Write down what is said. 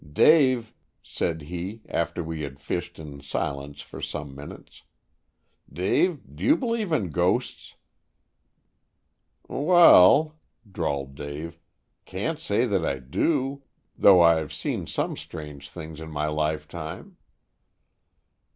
Dave," said he, after we had fished in silence for some minutes, "Dave, d'you believe in ghosts?" "Wal," drawled Dave, "can't say that I dew, tho' I've seen some strange things in my lifetime."